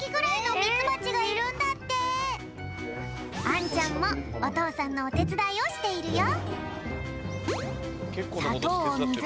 あんちゃんもおとうさんのおてつだいをしているよ。